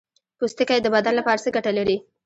پوستکی د بدن لپاره څه ګټه لري